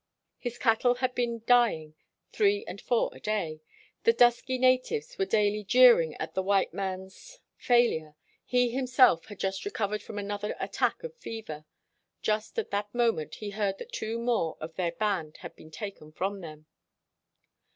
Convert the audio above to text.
His cattle had been dy ing three and four a day. The dusky na tives were daily jeering at the white man's 82 RECEPTION AT THE ROYAL PALACE failure. He himself had just recovered from another attack of fever. Just at that moment, he heard that two more of their band had been taken from them.